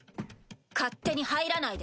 勝手に入らないで。